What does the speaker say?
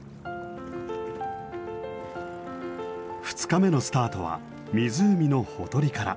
２日目のスタートは湖のほとりから。